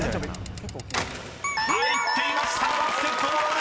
［入っていました「バスケットボール」